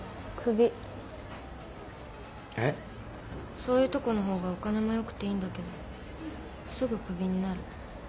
そういうとこのほうがお金もよくていいんだけどすぐクビになる。